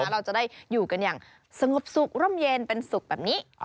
เราจะได้อยู่กันอย่างสงบสุขร่มเย็นเป็นสุขแบบนี้